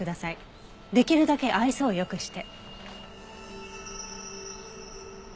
できるだけ愛想を良くして。